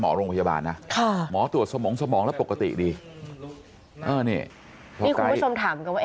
โรงพยาบาลนะค่ะหมอตรวจสมองสมองแล้วปกติดีนี่คุณผู้ชมถามกันว่า